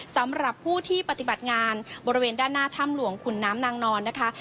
สำหรับผู้ที่ปฏิบัติงานบริเวณด้านหน้าถ้ำหลวงขุนน้ำนางนอนนะคะ